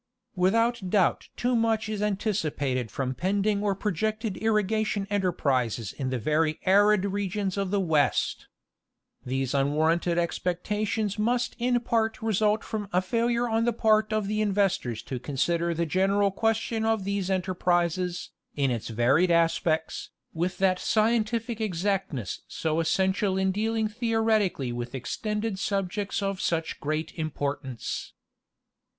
Without doubt too much is anticipated from pending or pro jected irrigation enterprises in the very arid regions of the West. These unwarranted expectations must in part result from a failure on the part of the investors to consider the general question of these enterprises, in its varied aspects, with that scientific exact ness so essential in dealing theoretically with extended subjects of such great importance.